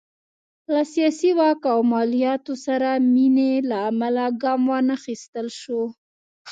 له سیاسي واک او مالیاتو سره مینې له امله ګام وانخیستل شو.